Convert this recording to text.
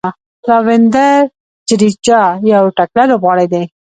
راوېندر جډیجا یو تکړه لوبغاړی دئ.